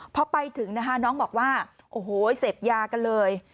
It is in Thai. พอไปถึงน้องบอกว่าเสพยากันเลย